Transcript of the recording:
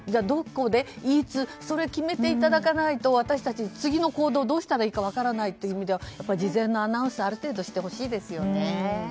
どこで、いつそれを決めていただかないと私は次の行動をどうしたらいいか分からないので事前のアナウンスをある程度はしてほしいですよね。